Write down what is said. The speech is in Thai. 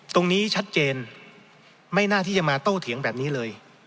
ตรงนี้ชัดเจนไม่น่าที่จะมาโต้เถียงแบบนี้เลย